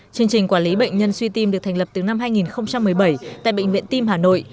chương trình quản lý bệnh nhân suy tim được thành lập từ năm hai nghìn một mươi bảy tại bệnh viện tim hà nội